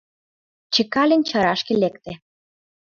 Чекалин чарашке лекте.